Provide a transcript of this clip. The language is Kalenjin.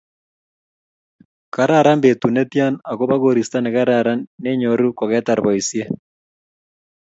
Kararan betut netya, agoba koristo negararan nenyoru kogetar boisiet